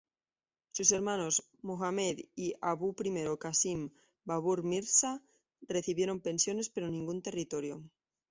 Sus hermanos Muhammad y Abu l-Kasim Babur Mirza recibieron pensiones pero ningún territorio.